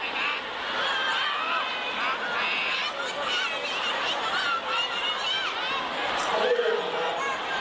โอ้โหนะคะผู้วงการลุกฮืบภัทรท้วงเลยนะครับ